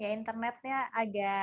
ya internetnya agak